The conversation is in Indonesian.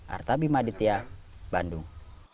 artabi maditya bandung